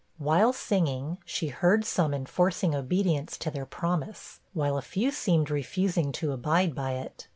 While singing, she heard some enforcing obedience to their promise, while a few seemed refusing to abide by it.